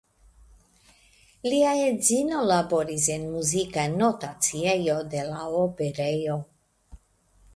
Lia edzino laboris en muzika notaciejo de la Operejo.